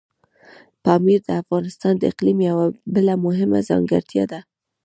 پامیر د افغانستان د اقلیم یوه بله مهمه ځانګړتیا ده.